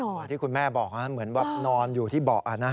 อย่างที่คุณแม่บอกเหมือนว่านอนอยู่ที่เบาะ